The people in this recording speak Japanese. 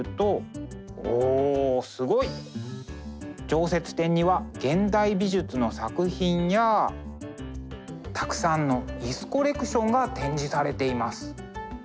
常設展には現代美術の作品やたくさんの椅子コレクションが展示されています。